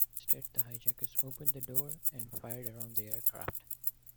Instead, the hijackers opened the door and fired around the aircraft.